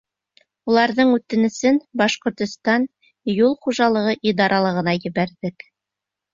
Уларҙың үтенесен Башҡортостан Юл хужалығы идаралығына ебәрҙек.